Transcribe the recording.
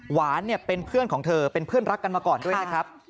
หวานเนี่ยเป็นเพื่อนของเธอเป็นเพื่อนรักกันมาก่อนด้วยนะครับ